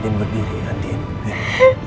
adik berdiri adik